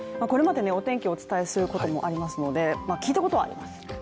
これまでお天気お伝えすることもありますので聞いたことはあります。